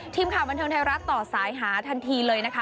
ทีมข่าวบันเทิงไทยรัฐต่อสายหาทันทีเลยนะคะ